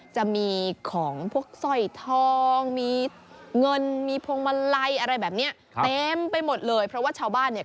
จะมีของพวกสร้อยทองมีเงินมีพวงมาลัยอะไรแบบเนี้ยเต็มไปหมดเลยเพราะว่าชาวบ้านเนี่ย